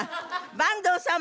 「板東さん